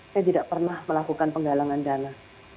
saya tidak pernah melakukan penggalangan dana